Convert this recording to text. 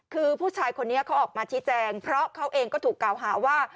คือผู้ชายคนนี้เขาออกมาชี้แจงเพราะเขาเองก็ถูกกล่าวหาว่า